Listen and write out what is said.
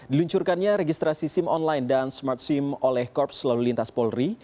diluncurkannya registrasi sim online dan smart sim oleh korps lalu lintas polri